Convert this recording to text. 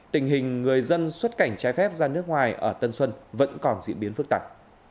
tình hình người dân xuất cảnh trái phép ra nước ngoài ở tân xuân vẫn còn diễn biến phức tạp